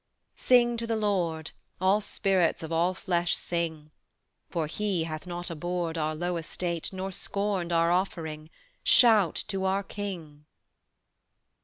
"Sing to the Lord, All spirits of all flesh, sing; For He hath not abhorred Our low estate nor scorned our offering: Shout to our King."